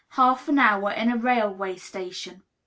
'" Half an Hour in a Railway Station.